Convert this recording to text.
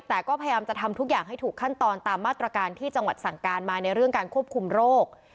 แต่ก็พยายามจะทำทุกอย่างให้ถูกขั้นตอนตามมาตรการที่จังหวัดสั่งการมาในเรื่องการควบคุมโรค